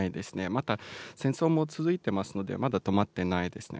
また、戦争も続いてますので、まだとまってないですね。